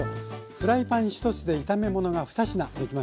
フライパン１つで炒め物が２品できました。